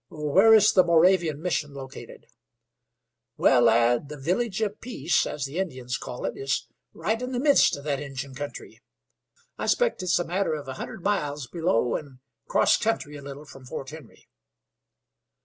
"Where is the Moravian Mission located?" "Why, lad, the Village of Peace, as the Injuns call it, is right in the midst of that Injun country. I 'spect it's a matter of a hundred miles below and cross country a little from Fort Henry."